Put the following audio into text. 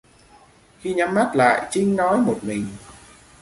Khi nhắm mắt lại Trinh nói một mình